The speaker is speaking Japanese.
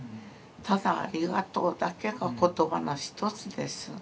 ただありがとうだけが言葉の一つです。